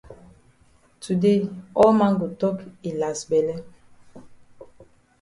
Today all man go tok yi las bele